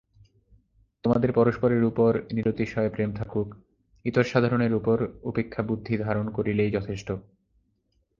তোমাদের পরস্পরের উপর নিরতিশয় প্রেম থাকুক, ইতর-সাধারণের উপর উপেক্ষাবুদ্ধি ধারণ করিলেই যথেষ্ট।